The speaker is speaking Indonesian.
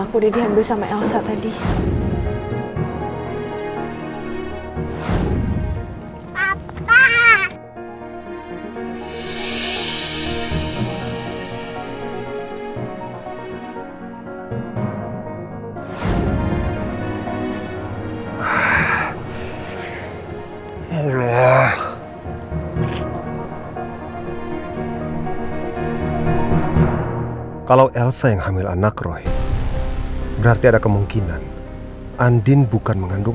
kalau elsa yang hamil anak roy berarti ada kemungkinan andien bukan mengandung